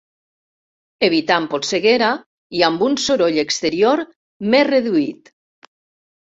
Evitant polseguera i amb un soroll exterior més reduït.